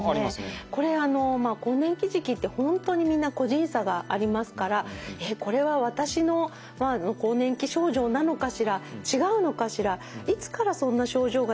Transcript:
これあのまあ更年期時期って本当にみんな個人差がありますからこれは私の更年期症状なのかしら違うのかしらいつからそんな症状が出るの？